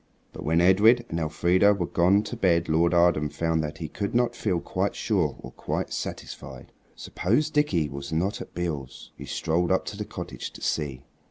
But when Edred and Elfrida were gone to bed Lord Arden found that he could not feel quite sure or quite satisfied. Suppose Dickie was not at Beale's? He strolled up to the cottage to see.